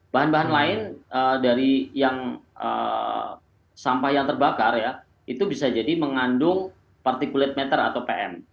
bahan bahan lain dari yang sampah yang terbakar ya itu bisa jadi mengandung particulate matter atau pm